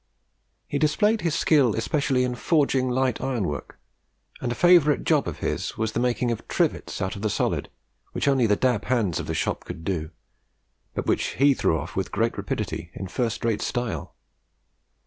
He displayed his skill especially in forging light ironwork; and a favourite job of his was the making of "Trivets" out of the solid, which only the "dab hands" of the shop could do, but which he threw off with great rapidity in first rate style.